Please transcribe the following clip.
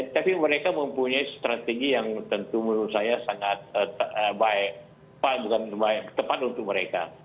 tapi mereka mempunyai strategi yang menurut saya sangat tepat untuk mereka